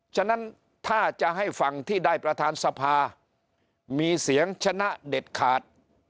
ฉะนั้นถ้าจะให้ฝั่งที่ได้ประธานสภามีเสียงชนะเด็ดขาด